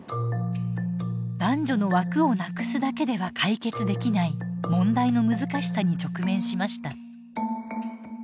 男女の枠をなくすだけでは解決できない問題の難しさに直面しました。